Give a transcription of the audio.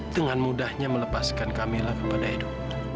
dengan mudahnya melepaskan kamila kepada edo